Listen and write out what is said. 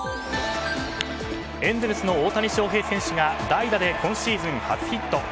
エンゼルスの大谷翔平選手が代打で今シーズン初ヒット。